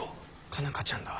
佳奈花ちゃんだ。